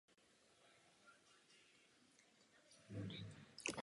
Prvním novým dodatkem je dvojí přístup.